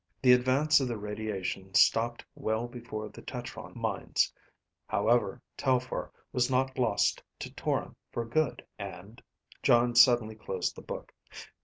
"The advance of the radiation stopped well before the tetron mines; however, Telphar was not lost to Toron for good, and ..." Jon suddenly closed the book.